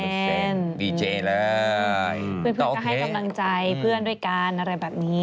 ดีเจเลยเพื่อนก็ให้กำลังใจเพื่อนด้วยกันอะไรแบบนี้